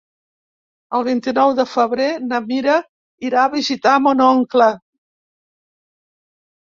El vint-i-nou de febrer na Mira irà a visitar mon oncle.